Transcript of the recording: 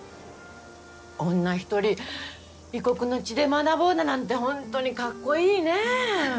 女一人異国の地で学ぼうだなんてホントにカッコイイねぇ。